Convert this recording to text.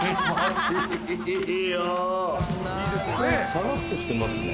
さらっとしてますね。